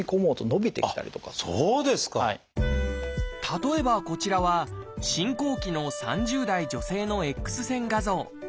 例えばこちらは進行期の３０代女性のＸ線画像。